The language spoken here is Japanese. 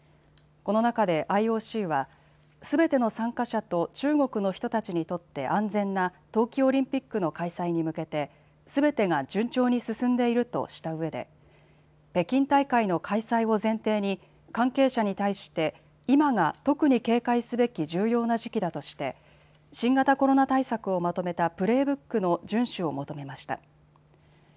この中でＩＯＣはすべての参加者と中国の人たちにとって安全な冬季オリンピックの開催に向けてすべてが順調に進んでいるとしたうえで北京大会の開催を前提に関係者に対して今が特に警戒すべき重要な時期だとして新型コロナ対策をまとめたプレーブックの順守を求めました。